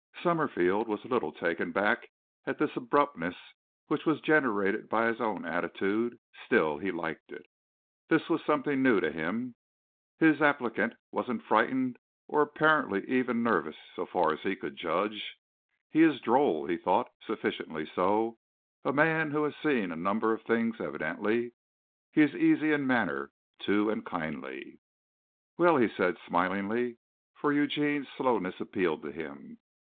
Summerfield was a little taken back at this abruptness which was generated by his own attitude; still he liked it. This was something new to him. His applicant wasn't frightened or apparently even nervous so far as he could judge. "He is droll," he thought, "sufficiently so a man who has seen a number of things evidently. He is easy in manner, too, and kindly." "Well," he said smilingly, for Eugene's slowness appealed to him.